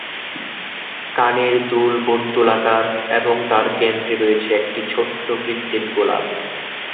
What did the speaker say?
কানের দুল বর্তুলাকার এবং তার কেন্দ্রে রয়েছে একটি ছোট্ট কৃত্রিম গোলাপ।